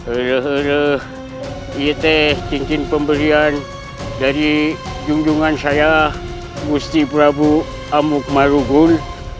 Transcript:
iya iya iya cincin pemberian dari junjungan saya gusti prabu amuk marugut